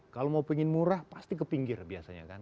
kalau mau pengen murah pasti ke pinggir biasanya kan